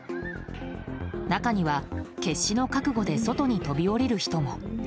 中には決死の覚悟で外に飛び降りる人も。